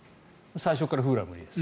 最初からフルは無理です。